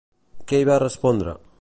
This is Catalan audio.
Què hi va respondre?